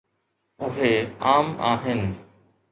اهي عام آهن.